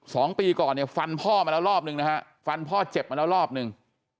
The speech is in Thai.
สองปีก่อนเนี่ยฟันพ่อมาแล้วรอบหนึ่งนะฮะฟันพ่อเจ็บมาแล้วรอบหนึ่ง